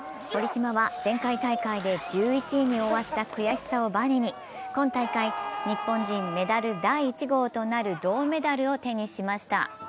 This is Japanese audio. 堀島は前回大会で１１位に終わった悔しさをばねに今大会、日本人メダル第１号となる銅メダルを手にしました。